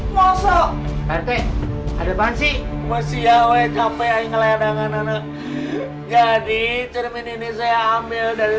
masalah ada apaan sih masih ya weh capek ngeliat dengan anak jadi cermin ini saya ambil dari